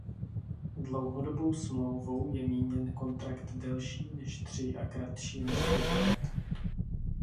Dlouhodobou smlouvou je míněn kontrakt delší než tři a kratší než pět let.